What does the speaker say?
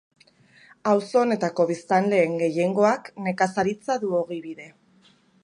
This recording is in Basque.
Auzo honetako biztanleen gehiengoak nekazaritza du ogibide.